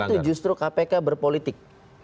disitu justru kpk berpolitik